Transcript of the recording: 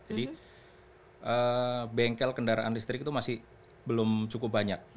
jadi bengkel kendaraan listrik itu masih belum cukup banyak